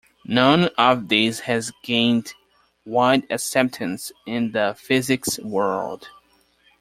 None of these has gained wide acceptance in the physics world.